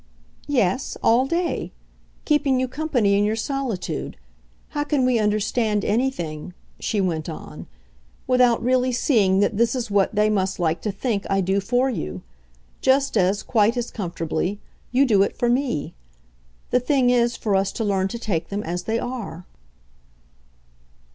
"Yes all day. Keeping you company in your solitude. How can we understand anything," she went on, "without really seeing that this is what they must like to think I do for you? just as, quite as comfortably, you do it for me. The thing is for us to learn to take them as they are."